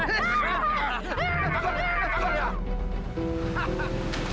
kabar kabar ya